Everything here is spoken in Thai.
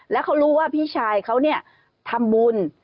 แล้วเขารู้ว่าพี่ชายเขาเนี่ยทำบุญ